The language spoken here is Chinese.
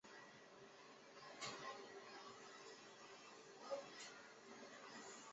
藏蝇子草是石竹科蝇子草属的植物。